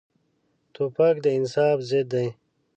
توپک د انصاف ضد دی.